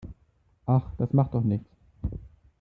Ach, das macht doch nichts.